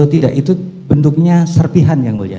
tidak itu bentuknya serpihan yang mulia